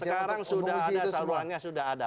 sekarang sudah ada salurannya sudah ada